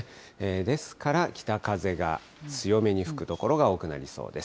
ですから、北風が強めに吹く所が多くなりそうです。